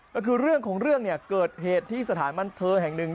ก็คือเรื่องของเรื่องเกิดเหตุตรวันทะเงินแห่งนึง